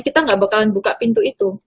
kita gak bakalan buka pintu